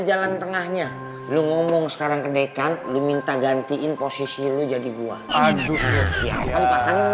jalan tengahnya lu ngomong sekarang ke dekan diminta gantiin posisi lu jadi gua aduh pasangin